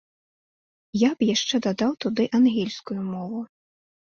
Я б яшчэ дадаў туды ангельскую мову.